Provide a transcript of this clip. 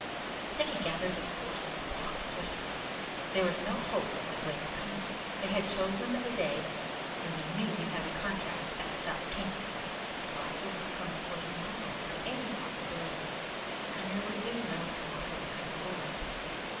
Then he gathered his forces and thought swiftly. There was no hope of McLean's coming. They had chosen a day when they knew he had a big contract at the South camp. The Boss could not come before tomorrow by any possibility, and there would be no tomorrow for the boy.